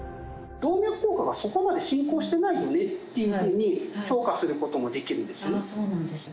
動脈硬化がそこまで進行してないよねっていうふうに評価するそうなんですね。